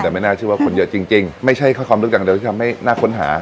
แต่ไม่น่าเชื่อว่าคนเยอะจริงไม่ใช่แค่ความลึกอย่างเดียวที่ทำให้น่าค้นหา